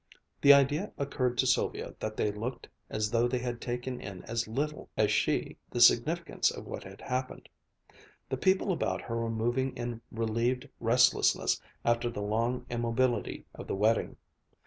The idea occurred to Sylvia that they looked as though they had taken in as little as she the significance of what had happened. The people about her were moving in relieved restlessness after the long immobility of the wedding.